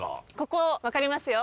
ここわかりますよ。